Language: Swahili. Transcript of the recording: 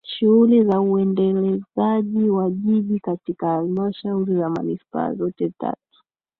shughuli za uendelezaji wa Jiji katika Halmashauri za Manispaa zote tatu